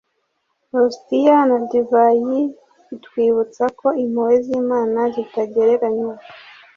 hostiya na divayi bitwibutsa ko impuhwe z'imana zitagereranywa